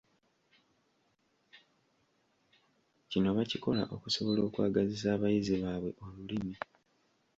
Kino bakikola okusobola okwagazisa abayizi baabwe olulimi.